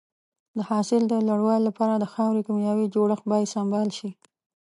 د حاصل د لوړوالي لپاره د خاورې کيمیاوي جوړښت باید سمبال شي.